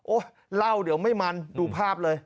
เล่าเดี๋ยวไม่มันดูภาพเลย